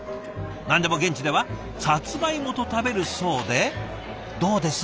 なんでも現地ではさつまいもと食べるそうでどうです？